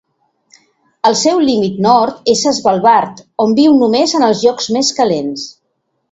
El seu límit nord és a Svalbard, on viu només en els llocs més calents.